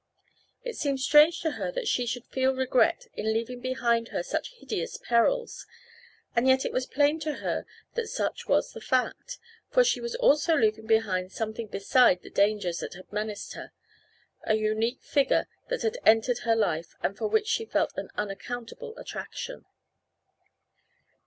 It seemed strange to her that she should feel regret in leaving behind her such hideous perils, and yet it was plain to her that such was the fact, for she was also leaving behind something beside the dangers that had menaced her a unique figure that had entered her life, and for which she felt an unaccountable attraction.